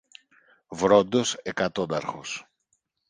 Βρόντος, εκατόνταρχος.